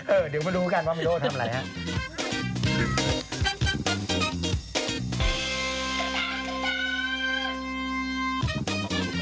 เอ๊ะเดี๋ยวมาดูกันว่ามะโก่ทำไรฮะ